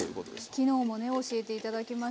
昨日もね教えて頂きましたが。